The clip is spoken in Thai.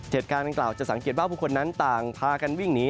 เหตุการณ์กล่าวจะสังเกตว่าผู้คนนั้นต่างพากันวิ่งหนี